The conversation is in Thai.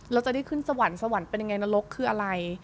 แล้วจะได้ขึ้นสวรรค์สวรรค์เป็นยังไงนรกคืออะไร